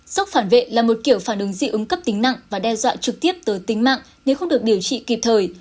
sốc phản vệ là một kiểu phản ứng dị ứng cấp tính nặng và đe dọa trực tiếp tới tính mạng nếu không được điều trị kịp thời